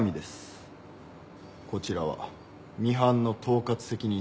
こちらはミハンの統括責任者の。